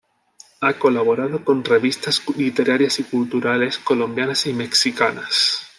Ha colaborado con revistas literarias y culturales colombianas y mexicanas.